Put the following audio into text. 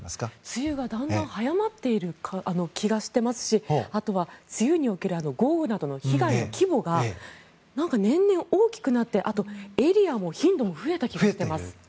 梅雨はだんだん早まっている気がしていますしあとは梅雨における豪雨などの被害の規模が年々大きくなってエリアも頻度も増えた気がしています。